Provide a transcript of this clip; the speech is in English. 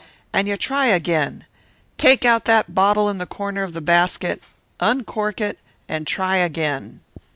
and you try again. Take out that bottle in the corner of the basket, uncork it, and try again.